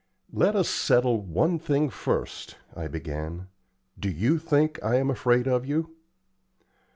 "Let us settle one thing first," I began. "Do you think I am afraid of you?"